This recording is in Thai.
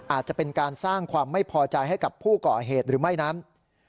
อาจจะเป็นการสร้างความไม่พอใจให้กับผู้ก่อเหตุหรือไม่นั้น